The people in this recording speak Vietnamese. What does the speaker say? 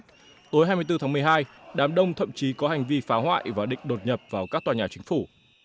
tối hai mươi bốn tháng một mươi hai đám đông thậm chí có hành vi phá hoại và định đột nhập vào các tòa nhà chính phủ